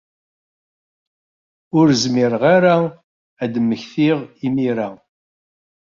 Ur zmireɣ ara ad d-mmektiɣ imir-a.